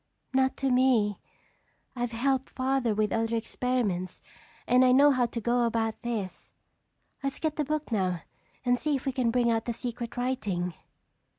"Not to me. I've helped Father with other experiments and I know how to go about this. Let's get the book now and see if we can bring out the secret writing."